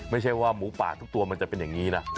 ไม่ใช่ว่าหมูป่าทุกตัวมันจะเป็นอย่างนี้นะ